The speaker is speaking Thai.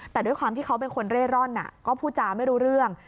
แต่ด้วยความที่เขาเป็นคนเร่ร่อนก็พูดจาไม่รู้เรื่อง